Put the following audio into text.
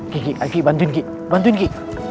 ki ki aki bantuin ki bantuin ki